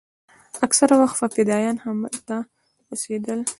اکثره وخت به فدايان همدلته اوسېدل.